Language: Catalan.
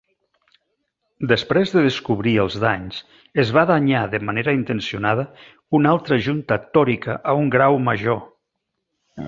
Després de descobrir els danys, es va danyar de manera intencionada una altra junta tòrica a un grau major.